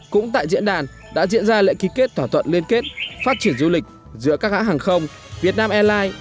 cũng tại diễn đàn đã diễn ra lễ ký kết thỏa thuận liên kết phát triển du lịch giữa các hãng hàng không việt nam airlines